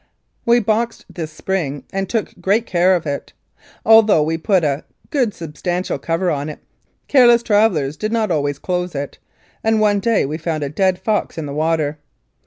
.We boxed this spring and took great care of it. Although we put a good substantial cover on it, careless travellers did not always close it, and one day we found a dead fox in the water.